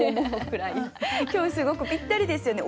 今日すごくぴったりですよね。